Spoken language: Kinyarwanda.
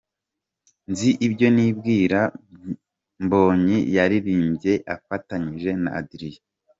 Nzi ibyo nibwira’ Mbonyi yayiririmbye afatanyije na Adrien.